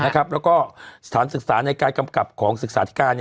แล้วก็สถานศึกษาในการกำกับของศึกษาธิการ